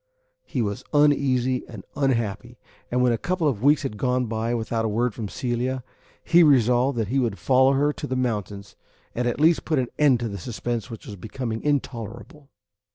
He was uneasy and unhappy, and when a couple of weeks had gone by without a word from Celia, he resolved that he would follow her to the mountains, and at least put an end to the suspense which was becoming intolerable.